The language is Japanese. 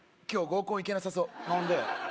今日合コン行けなさそう何で？